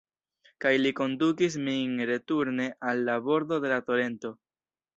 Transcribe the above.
Kaj li kondukis min returne al la bordo de la torento.